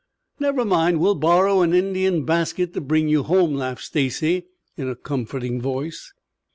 "Never mind. We'll borrow an Indian basket to bring you home," laughed Stacy in a comforting voice.